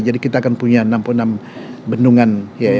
jadi kita akan punya enam puluh enam bendungan